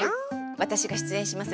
私が出演します